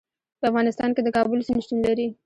په افغانستان کې د کابل سیند شتون لري.